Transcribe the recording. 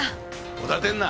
おだてんな。